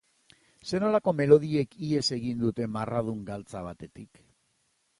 Zer nolako melodiek ihes egiten dute marradun galtza batetik?